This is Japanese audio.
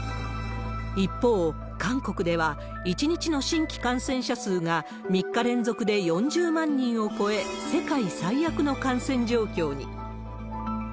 一方、韓国では１日の新規感染者数が３日連続で４０万人を超え、世界最悪の感染状況に。